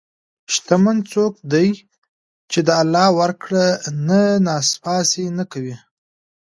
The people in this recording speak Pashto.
شتمن څوک دی چې د الله ورکړه نه ناسپاسي نه کوي.